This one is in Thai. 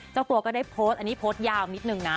เจ้าตัวก็ได้โพสต์อันนี้โพสต์ยาวนิดนึงนะ